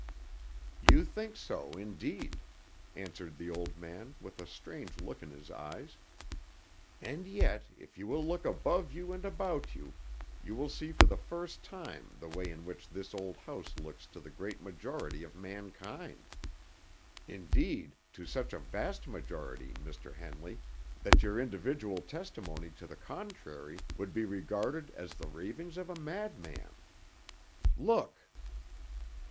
"You think so, indeed," answered the old man with a strange look in his eyes; "and yet, if you will look above you and about you, you will see for the first time the way in which this old house looks to the great majority of mankind indeed, to such a vast majority, Mr. Henley that your individual testimony to the contrary would be regarded as the ravings of a madman. Look!"